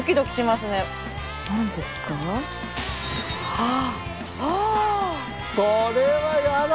ああ！